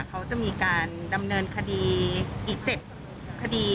เขาจะมีการดำเนินคดีอีก๗คดี